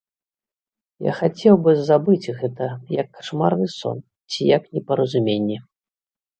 Я хацеў бы забыць гэта як кашмарны сон ці як непаразуменне.